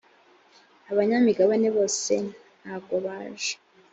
abanyamigabane bose ntagobaje.